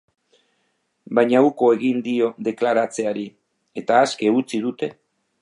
Baina uko egin dio deklaratzeari, eta aske utzi dute.